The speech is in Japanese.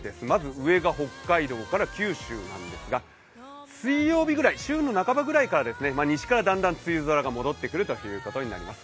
上が北海道から九州なんですが、水曜日ぐらい、週の半ばぐらいから西からだんだん梅雨空が戻ってくるということになります。